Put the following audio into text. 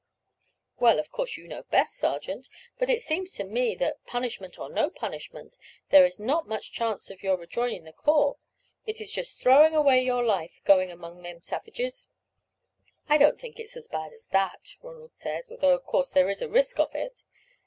"Well, of course you know best, sergeant; but it seems to me that, punishment or no punishment, there is not much chance of your rejoining the corps; it is just throwing away your life going among them savages." "I don't think it is as bad as that," Ronald said, "although of course there is a risk of it.